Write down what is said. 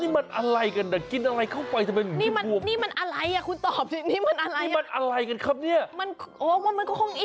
โอ้มันกินอะไรเข้าไปครับน้องใบตอง